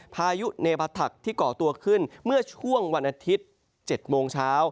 พายุเนบาถักที่ก่อตัวขึ้นเมื่อช่วงวันอาทิตย์๗โมงเช้า